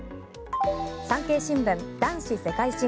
産経新聞、男子世界新。